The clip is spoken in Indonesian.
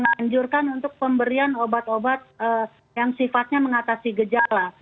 menganjurkan untuk pemberian obat obat yang sifatnya mengatasi gejala